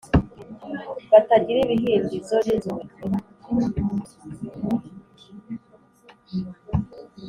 Batagira ibihindizo n inzugi